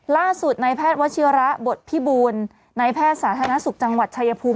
ล่าสุดในแพทย์วัชิระบทพิบูลในแพทย์สาธารณสุขจังหวัดชายภูมิ